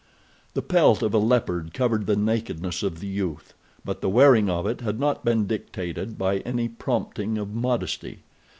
The pelt of a leopard covered the nakedness of the youth; but the wearing of it had not been dictated by any prompting of modesty.